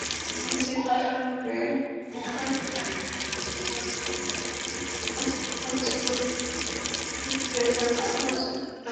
মেসির প্রসঙ্গে নোভাৎনাকে কেন টেনে আনা হচ্ছে এতক্ষণে নিশ্চয়ই ধরতে পেরেছেন পাঠকেরা।